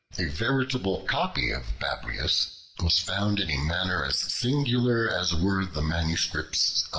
A veritable copy of Babrias was found in a manner as singular as were the MSS.